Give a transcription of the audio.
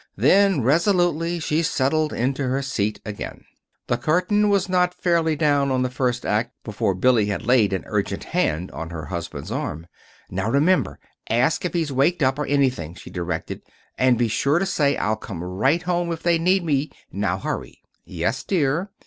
Then, resolutely, she settled into her seat again. The curtain was not fairly down on the first act before Billy had laid an urgent hand on her husband's arm. "Now, remember; ask if he's waked up, or anything," she directed. "And be sure to say I'll come right home if they need me. Now hurry." "Yes, dear."